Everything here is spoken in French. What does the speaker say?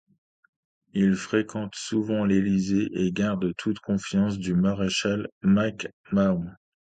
Il fréquente souvent l'Élysée et garde toute confiance du maréchal Mac-Mahon.